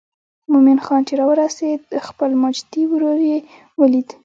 مومن خان چې راورسېد خپل ماجتي ورور یې ولید.